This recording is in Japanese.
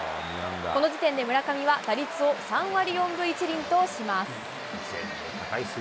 この時点で村上は打率を３割４分１厘とします。